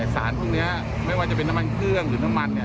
สารพวกนี้ไม่ว่าจะเป็นน้ำมันเครื่องหรือน้ำมันเนี่ย